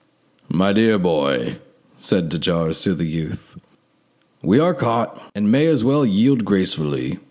"My dear boy," said de Jars to the youth, "we are caught, and may as well yield gracefully.